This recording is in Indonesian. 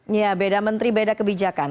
ya beda menteri beda kebijakan